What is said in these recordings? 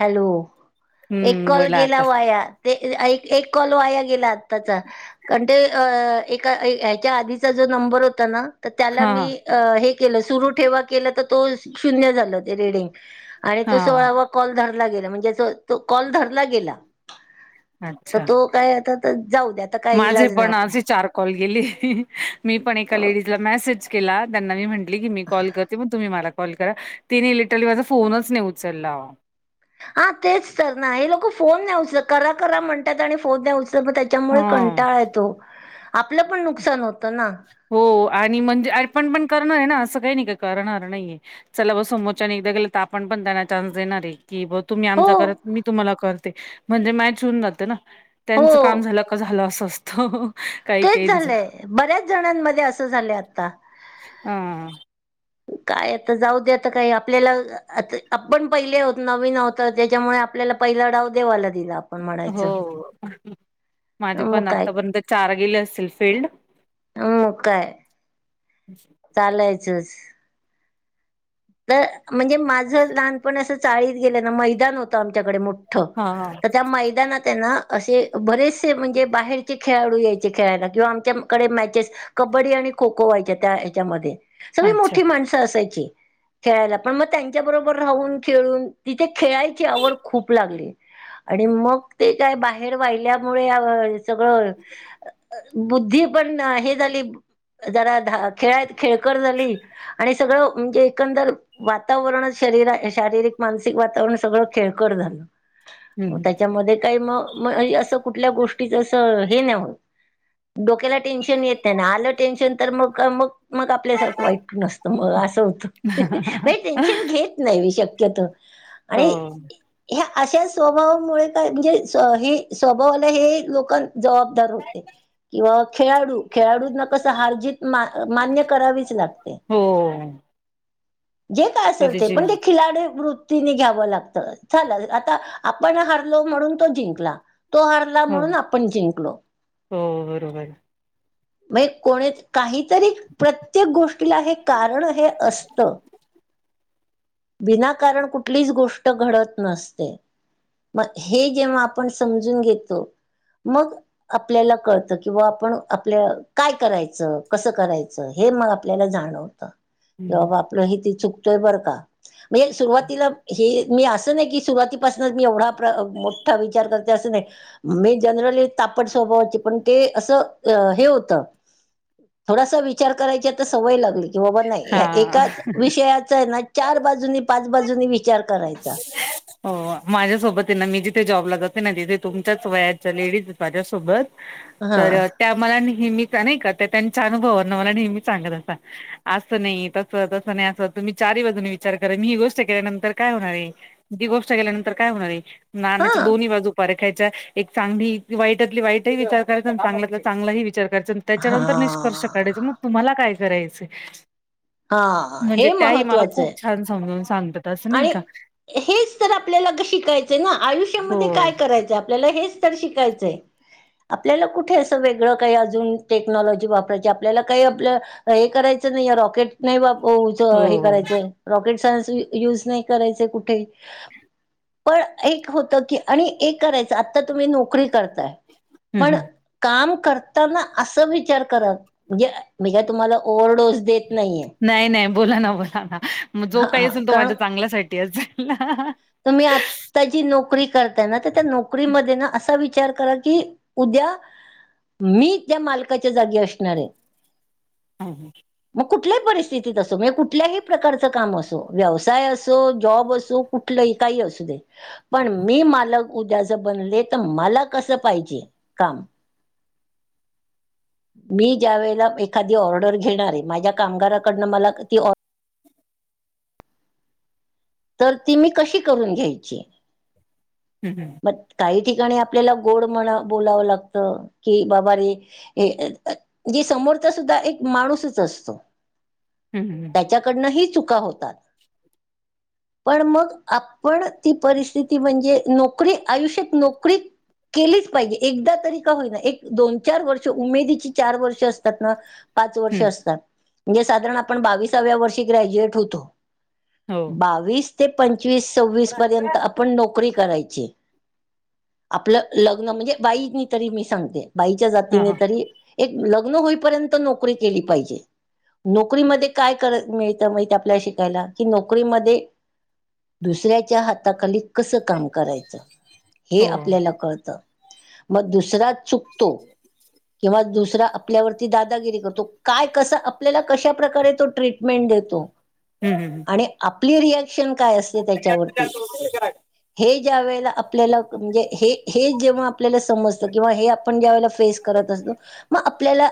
Hello एक हम्म call बोला आता गेला वाया. ते एक एक कॉल वाया गेला आताचा. कारण ते एका ह्याच्या आधीचा जो नंबर होता ना तर त्याला हा मी हे केलं सुरू ठेवा केलं तर तो शून्य झालं ते रेडिंग. आणि हा तो सोळावा कॉल धरला गेला. म्हणजे त कॉल धरला गेला हा तर अच्छा तो काय आता जाऊ द्या. आता काही माझे इलाज नाही पण असे आपला चार कॉल गेली. मी पण एका लेडीजला मेसेज केला त्यांना मी म्हण की मी कॉल करते मग तुम्ही मला कॉल करा. तीने लिटरली माझा फोनच नाही उचलला. हा तेच तर ना हे लोक फोन नाही उचलत. करा करा म्हणतात आणि फोन नाही उचत मग त्यामुळे हा कंटाळा यतो आपलं पण नुकसान होत ना. हो आणि म्हणजे आप आपण पण करणार आहे ना असं काही नाही का करणार नाहीय. चला बाबा समोरच्याने एकदा गेलं आपण पण त्यांना चान्स देणार आहे की ब तुम्ही आम हो कर मी तुम्हाला करते म्हणजे मॅच होऊन जात ना त्यांच काम हो झा- झालं असं असतं. काही तेच काहीच झालंय बऱ्याच जणांमध्ये असं झालय आता. ह ह काय आता जाऊ द्याता काय आपल्याला आ आपण पहिले होत नवीन आत त्याच्यामुळे, आपल्याला पहिला डाव देवाला दिला. हो म्हणायचं माझे मग पण काय आतापर्यंत चार गेले असतील फेल्ड हम् मग काय चालायचंच तर म्हणजे माझ लहानपण असं चाळीत गेलं ना मैदान होतं आमच्याकडे मोठ. तर त्या मैदानात आहे ना असे, बरेचसे म्हणजे बाहेरचे खेळाडू यायचे खेळायला किंवा आमच्या- कडे मॅचेस कबड्डी आणि खो खो व्हायच्या त्या ह्याच्यामध्ये सगळी अच्छा मोठी माणसं असायची. खेळायला पण मग त्यांच्या बरोबर राहून खेळून तिथे खेळायची आवड खूप लागली. आणि मग ते काय बाहेर वाहिल्यामुळ सगळं, बुद्धी पण हे झाली. जरा दहा खेळत खेळकर झाली आणि सगळं म्हणजे, एकंदर वातावरणच शरीर शारीरिक मानसिक वातावरण सगळं खेळकर झालं. हम्म त्याच्यामध्ये काही म असं कुठल्या गोष्टीच अस हे नाहो होत डोक्याला टेन्शन येत ना आलं टेन्शन तर मग मग, मग आपल्यासारखं वाईट नसतं मग असं होतं म्हणजे हम्म टेन्शन घेत नाही शक्यतो. हो आणि ह्या अशा स्वभावामुळे काय म्हणजे हे स्वभावाला हे लोक, जबाबदार होते किंवा खेळाडू, खेळाडूंना कसं हारजीत मा मान्य करावीच लागते. हो जे काय असेल कधी ते पण खिलाड- घ्याव लागत झाल आता आपण हारलो म्हणून तो जिंकला तो ह- तो हारला हो म्हणून आपण जिंकलो. हो बरोबर म कोणी काहीतरी प्रत्येक गोष्टीला हे कारण हे असत. विनाकारण कुठलीच गोष्ट घडत नसते. मग हे जेव्हा आपण समजून घेतो मग, आपल्याला कळत किंवा आपण आपल्या काय करायचं कसं करायचं. हे मग आपल्याला जाणवत की हम्म बाबा आपलं हे त चुकतोय बरं का. म्हणजे सुरुवातीला हे मी असं नाही की सुरुवातीपासूनच मी एवढा मोठा विचार करते असं नाही. मी जनरली, तापड स्वभावाची पण ते असं हे होत थोडासा विचार करायच्या, सवय लागली की बाबा नाही ह्या एकाच, हा ेच आहे ना चार बाजूनी पाच बाजून विचार करायचा. हो माझ्यासोबत आहे ना मी जिथे जॉबला जाते ना तिथे तुमच्याच वयाच्या लेडीज माझ्यासोबत. हा तर त्या मला नेहमीच नाही का त्या त्यांच्या अनुभवावरन नेहमी सांगत असं, असं नाही तसं तसं नाही असं तुम्ही चार बाजूने विचार करा मी ही गोष्ट केल्यानंतर, काय होणार आहे, जी गोष्ट गेल्यानंतर काय होणार आहे, हा नाण्याच्या दोन्ही बाजू पर खायच्या एक चांगली वाईटातली वाईट ही विचार करायचा चांगल्यातला चांगलाही विचार करायचा. हा त्याच्यानंतर निष्कर्ष काढायचे मग तुम्हाला काय करायचय ‌? हा म्हणजे हे त्याही मला महत्त्वाचं आहे खूप छान समजून सांगतात अस नाही? आणि का हेच तर आपल्याला शिकायच ना हो आयुष्यामध्ये काय करायच आपल्याला हे तर शिकायचय. आपल्याला कुठे अस वेगळ काही अजून टेक्नॉलॉजी वापरायची आपल्याला काही आपल हे करायच नाही रॉकेट नाही हो हो हे रॉकेट युज नाही करायच कुठे पण एक होत की आणि एक करायच आता तुम्ही नोकरी करताय हम्म पण हम्म काम करताना अस विचार करा म्हणजे मी काय तूम्हाला ओव्हर डोस देत नाहीये. नाही नाही बोला ना बोला मग जो काही हा असेल तो कारण माझ्या चांगल्यासाठी असेल. तुम्ही आत्ता जी नोकरी करताय ना तर त्या नोकरीमध्ये ना असा विचार करा की उद्या मी त्या मालकाच्या जागी असणार आहे. हम्म हम्म मग कुठल्याही परिस्थितीत असो म्हणजे कुठल्याही प्रकारच काम असो, व्यवसाय असो, जॉब असो. कुठलही काही असू दे पण मी मालक उद्या जर बनले तर मला कस पाहिजे काम? मी ज्या वेळेला एखादी ऑर्डर घेणार आहे माझ्या कामगाराकडन मला ती ऑ तर ती मी कशी करुन घ्यायची? हम्म हम्म काही ठिकाणी आपल्याला गोड म्हणा बोलाव लागत की बाबा रे. जे समोरचा सुद्धा एक माणूसच असतो. हम्म हम्म त्याच्याकडन ही चुका होतात. पण मग आपण ती परिस्थिती म्हणजे नक नोकरी आयुष्यात नोकरी केलीच पाहिजे. एकदा तरी का होईना एक दोन चार वर्ष उमेदीची चार वर्ष असतात ना पाच हं. वर्ष हं. असतात म्हणजे साधारण आपण बावीसाव्या वर्षी ग्रज्युएट होतो. हो. बावीस ते पंचवीस सव्वीस पर्यंत आपण नोकरी करायची. आपल लग्न म्हणजे बाईनी तरी मी सांगते बाईच्या हां, जातीने हां. तरी एक लग्न होईपर्यंत नोकरी केली पाहिजे. नोकरीमध्ये काय कर मिळत माहिते आपल्याला शिकायला की नोकरीमध्ये दुसऱ्याच्या हाताखाली कस काम करायच. [inaudible] हे आपल्याला कळत, मग दुसरा चुकतो. किंवा दुसरा आपल्यावरती दादागिरी करतो, काय कसा आपल्याला कशा प्रकारे तो ट्रीट मेंट देतो. हम्म हम्म. आणि आपली रियाक्शन काय असते त्याच्यावरती हे ज्या वेळेला आ आपल्याला म्हणजे हे हे जेव्हा आपल्याला समजत किंवा हे आपण ज्या वेळेला फेस करत असतो. मग आपल्याला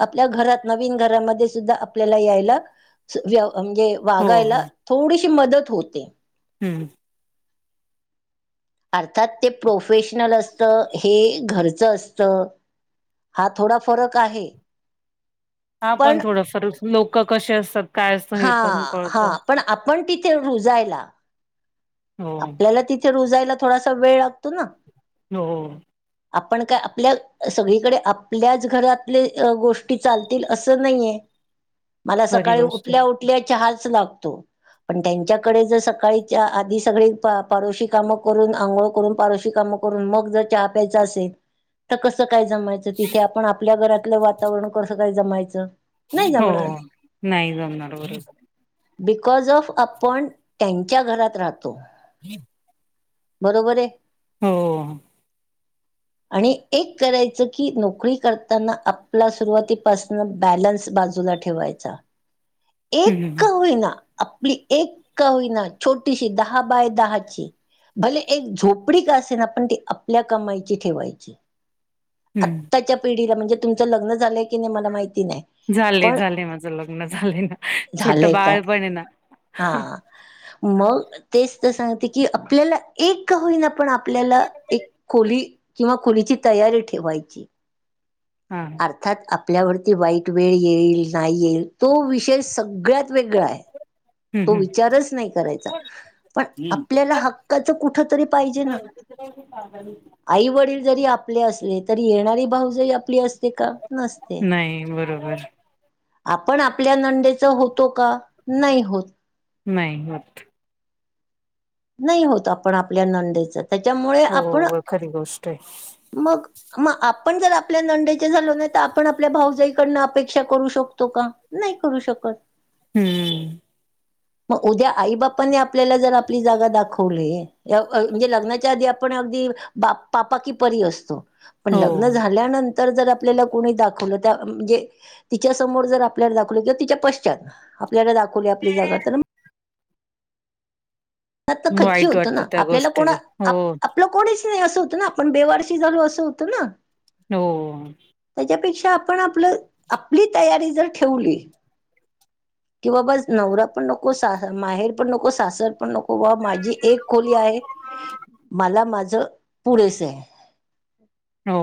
आपल्या घरात नवीन घरामध्ये सुद्धा आपल्याला यायला व म्हणजे हो, वागायला थोडीशी मदत होते. हम्म अर्थात ते प्रोफेशनल असत हे घरच असत. हा, थोडा फरक आहे. हा, पण थोडं [unintelligible] लोकं कसे असतात. काय असतं हे हा, पण हा. कळतं. पण, आपण तिथे रुजायला हो, आपल्याला तिथे रुजायला, थोडासा वेळ लागतो ना. हो. आपण काय आपल्या, सगळीकडे आपल्याच घरातले, अ गोष्टी चालतील असं नाहीये. [inaudible] मला खरी सकाळी गोष्ट उठल्या- आहे. उठल्या चहाच लागतो. पण त्यांच्याकडे जर सकाळीच्या आधीच सगळी पा पारोशी कामं करून. आंघोळ करून. पारोशी कामं करून. मग जर चहा प्यायचं असेल तर कसं काय जमायचं? तिथे आपण आपल्या घरातलं वातावरण कसं काय जमायचं? नाही हो. जमणार नाही जमणार. बरोबर. बिकॉज ऑफ आपण, त्यांच्या घरात राहतो. [inaudible] बरोबरय? हो. [inaudible] आणि एक करायचं की, नोकरी करताना आपला, सुरुवातीपासनं बॅलन्स बाजूला ठेव ठेवायाचा. हं, एक हं. का होईना. आपली एक होईना. छोटीशी दहा बाय दहाची भले एक झोपडी का असे ना. पण ती आपल्या कमाइची ठेवायची. हं. आत्ताच्या पिढीला, म्हणजे तुमचं लग्न झालंय की नाही, मला माहिती नाही. झालय, पण झालय. माझं लग्न झालंय ना. छोट झालंय का? बाळ पणय ना. हा मग तेच तर सांगते की, आपल्याला एक होईना पण आप आपल्याला, एक खोली किंवा खोलीची तयारी ठेवायची. हा. अर्थात आपल्यावरती वाईट वेळ येईल, नाही येईल. तो विषय सगळ्यांत वेगळाय. हं, तो हं. विचारच नाही करायचा. पण आपल्याला हक्काचं, कुठं तरी पाहिजे ना. [unintelligible] आई - वडील जरी आपले असले. तरी येणारी भावजई आपली असते का? नसते. नाही. बरोबर. आपण, आपल्या नंदेचं होतो का? नाही होत. नाही, होत. नाही होत, आपण आपल्या नंदेच. त्याच्यामुळे आपण. हो खरी गोष्ट आहे. मग मग आपण जर आपल्या नंदेचे झालो नाही. तर आपण आपल्या भाऊजाईकडनं, अपेक्षा करू शकतो का? नाही करू शकत. हम्म. मग उद्या आईबापाने आपल्याला, जर आपली जागा दाखवली या व अ म्हणजे लग्नाच्या आधी आपण अगदी, बा पापा की परी असतो. पण लग्न हो. झाल्यानंतर, जर आपल्याला कोणी दाखवलं, त्या म्हणजे तिच्या समोर जर आपल्याला दाखवले कि, तिच्या पश्चात. आपल्याला दाखवली आपली जागा तर खच्ची वाईट होत ना. वाटतं त्या आपल्याला गोष्टीच कोणा, आप- हो आप आपलं कोणीच नाही, असं होतं ना. आपण बेवारशी झालो, असं होतं ना. होओ. त्याच्यापेक्षा आपण आपलं, आपली तयारी जर ठेवली कि बाबा नवरा पण नको. सा माहेर पण नको. सासर पण नको. हो ब माझी एक खोली आहे, माला माझं पुरेस ये. हो.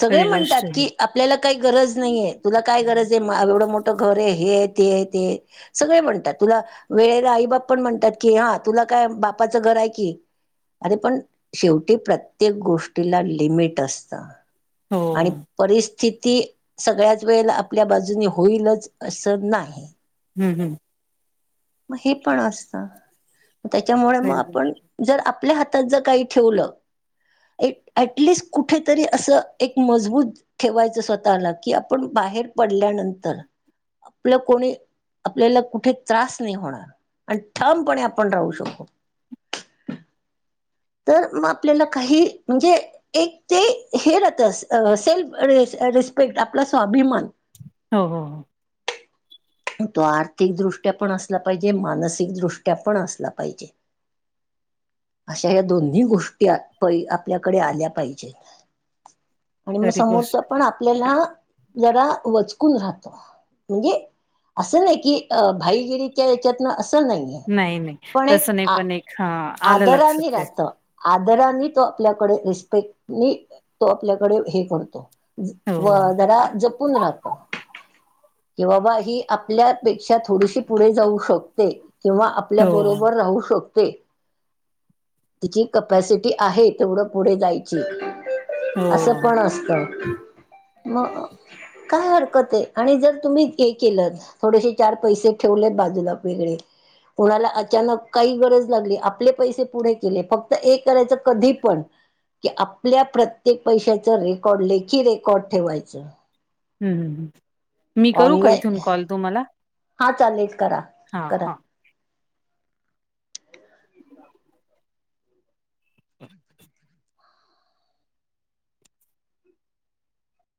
सगळे खरी म्हणतात गोष्ट आहे. की, आप ल्याला काही गरज नहीये, तुला काय गरज ये, मा एवढं मोठं घर ये, हे ते ये, ते सगळे म्हणतात, तुला वेळेला आई बाप पण म्हणतात कि, हां तुला काय बापाचं घर हाय कि. अरे पण, शेवटी प्रत्येक गोष्टीला, लिमिट असतं. हो आणि परिस्थिती, सगळ्याच वेळला, आपल्या बाजूनी होईलच, असं नाही. हम् हम्. म हे पण असतं, त्याच्यामुळ म खरी गोष्ट आपण जर आपल्या हातात, जर काही ठेवलं एक एटलिस्ट कुठेतरी असं, एक मजबूत ठेवायचं स्वतःला, कि आपण, बाहेर पडल्यानंतर आपलं कोणी, आपल्याला कुठे त्रास नही होणार, आणि ठामपणे आपण राहू शकू. तर म आपल्याला काही, म्हणजे एक ते, हे राहत, अ स-सेल्फ अ रिस्पेक्ट, आपला स्वाभिमान हो हो हो. तो आर्थिकदृष्ट्या पण असला पाहिजे, मानसिकदृष्ट्या पण असला पाहिजे. अशा ह्या दोन्ही गोष्टी, आ प [unintelligible] आपल्याकडे आल्या पाहिजे. आणि म खरी समोरच गोष्ट पण, आपल्याला जरा वचकून राहतो, म्हणजे असं नाही की, अ भाईगिरीच्या याच्यातनं, असं नाहीये, नाही नाही पण एक तसं नाही आ पण एक हा. आलं लक्षात आदरानि ते राहतं. आदरानी तो आपल्याकडे, रिस्पेक्टनी तो आपल्याकडे, हे करतो. हो व जरा जपून राहत. कि बाबा, ही आपल्यापेक्षा, थोडीशी पुढे जाऊ शकते, किंवा आप ल्या हो बरोबर राहू शकते. तिची कपॅसिटी आहे, तेवढं पुढे जायची. हो असं पण असत, म काय हरकत ये, आणि जर तुम्ही हे केलंत थोडेशे चार पैसे ठेवलेत, बाजूला वेगळे, कोणाला अचानक काही गरज लागली, आप आपले पैसे पुढे केले, फक्त एक करायच, कधी पण की आपल्या प्रत्येक पैशाचं, रेकॉर्ड, लेखी रेकॉर्ड ठेवायचं. हम् हम. ऑनलाय, हां चालेल, करा. हां करा हां. [inaudible]